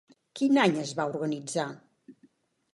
Quin any es va organitzar?